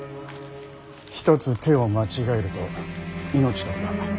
一つ手を間違えると命取りだ。